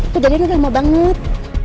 kejadiannya lama banget